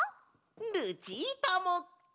ルチータも！